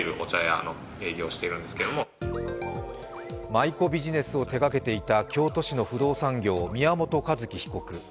舞妓ビジネスを手がけていた京都市の不動産業宮本一希被告。